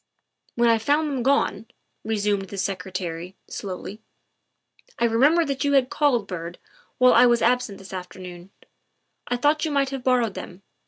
" When I found them gone," resumed the Secretary slowly, '' I remembered that you had called, Byrd, while I was absent this afternoon. I thought you might have borrowed them.